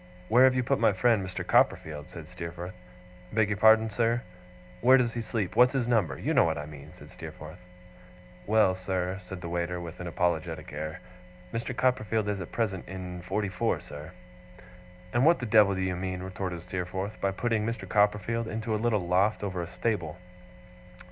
'Where have you put my friend, Mr. Copperfield?' said Steerforth. 'Beg your pardon, sir?' 'Where does he sleep? What's his number? You know what I mean,' said Steerforth. 'Well, sir,' said the waiter, with an apologetic air. 'Mr. Copperfield is at present in forty four, sir.' 'And what the devil do you mean,' retorted Steerforth, 'by putting Mr. Copperfield into a little loft over a stable?